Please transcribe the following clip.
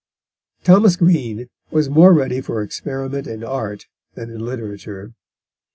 Thomas Green was more ready for experiment in art than in literature.